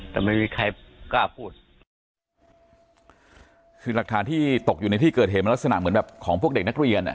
แต่ไม่มีใครกล้าพูดคือหลักฐานที่ตกอยู่ในที่เกิดเหตุมันลักษณะเหมือนแบบของพวกเด็กนักเรียนอ่ะ